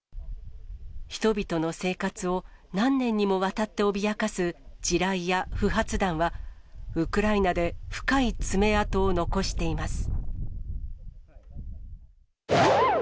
人々の生活を何年にもわたって脅かす地雷や不発弾は、ウクライナで深い爪痕を残しています。